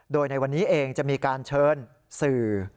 โดยในวันนี้เองจะมีการเชิญสื่อ